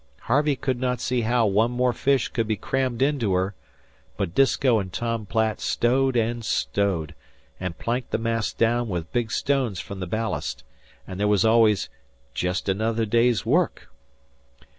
Harvey could not see how one more fish could be crammed into her, but Disko and Tom Platt stowed and stowed, and planked the mass down with big stones from the ballast, and there was always "jest another day's work."